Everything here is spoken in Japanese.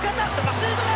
シュートだ！